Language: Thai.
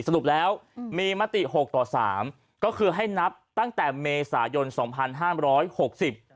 สรุปแล้วอืมมีมติหกต่อสามก็คือให้นับตั้งแต่เมษายนสองพันห้ามร้อยหกสิบ